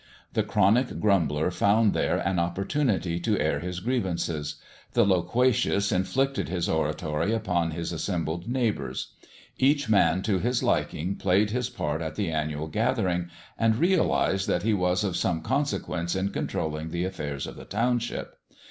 The chronic grumbler found there an opportunity to air his grievances. The loquacious inflicted his oratory upon his assembled neighbours. Each man to his liking played his part at the annual gathering, and realized that he was of some consequence in controlling the affairs of the township.